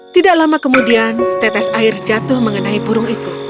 tidak lama kemudian setetes air jatuh mengenai burung itu